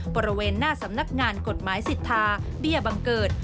บริเวณหน้าสำนักงานกฎหมายสิทธาเบี้ยบังเกิด